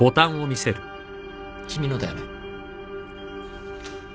君のだよね。